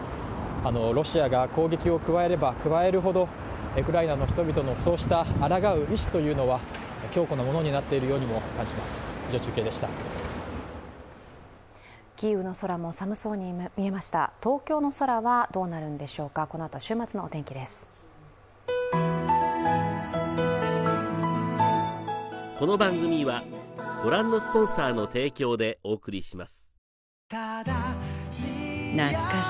ロシアが攻撃を加えれば加えるほど、ウクライナの人々のそうしたあらがう意思というのは強固なものになっているとでは週末のお天気について森田さん、お願いします。